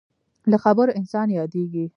له خبرو انسان یادېږي.